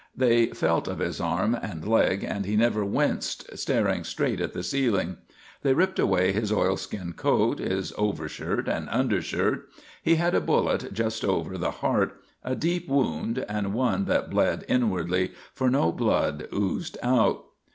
They felt of his arm and leg and he never winced, staring straight at the ceiling. They ripped away his oilskin coat, his over shirt and undershirt. He had a bullet just over the heart, a deep wound and one that bled inwardly, for no blood oozed out.